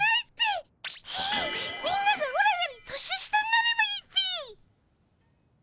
みんながオラより年下になればいいっピ！